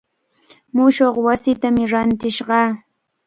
Mushuq wasitami rantishqa.